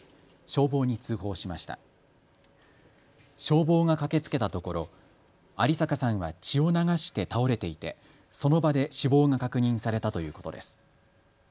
消防が駆けつけたところ有坂さんは血を流して倒れていてその場で死亡が確認されたということです。